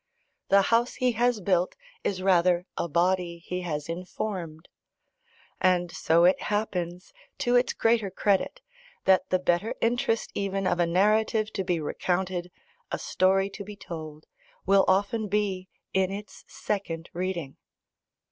The house he has built is rather a body he has informed. And so it happens, to its greater credit, that the better interest even of a narrative to be recounted, a story to be told, will often be in its second reading.